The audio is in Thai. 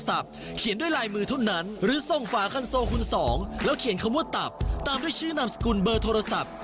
ถ้าอยากเป็นผู้โชคดีแบบนี้ต้องทำอย่างไร